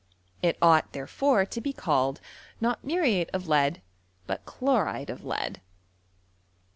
It ought, therefore, to be called, , not muriate of lead, but chloride of lead.